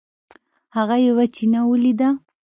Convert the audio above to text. هغه یوه چینه ولیده.